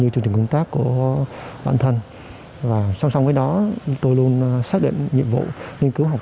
chương trình công tác của bản thân và song song với đó chúng tôi luôn xác định nhiệm vụ nghiên cứu học